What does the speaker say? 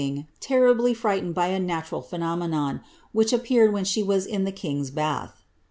S43 nhij frightened by a natural phenomenon, which appeared when she was in the king^a bath.